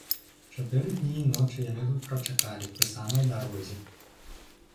Чатыры дні і ночы яны тут прачакалі, пры самай дарозе.